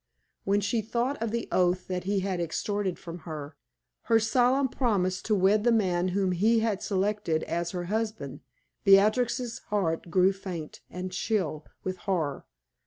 When she thought of the oath that he had extorted from her her solemn promise to wed the man whom he had selected as her husband Beatrix's heart grew faint and chill with horror.